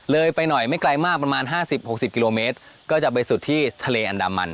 ไปหน่อยไม่ไกลมากประมาณ๕๐๖๐กิโลเมตรก็จะไปสุดที่ทะเลอันดามัน